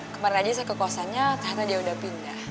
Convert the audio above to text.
kemarin aja saya ke kosannya karena dia udah pindah